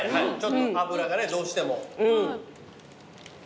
油がねどうしても。